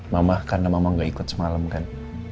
mama karena mama gak ikut semalam kan